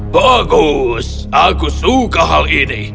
bagus aku suka hal ini